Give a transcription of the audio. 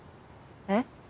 えっ？